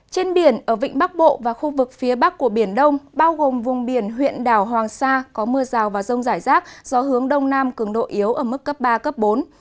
trên biển ở vịnh bắc bộ và khu vực phía bắc của biển đông bao gồm vùng biển huyện đảo hoàng sa có mưa rào và rông rải rác gió hướng đông nam cường độ yếu ở mức cấp ba bốn